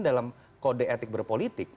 dalam kode etik berpolitik